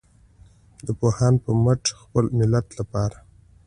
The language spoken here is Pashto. د پوهانو په مټ د خپل ملت لپاره.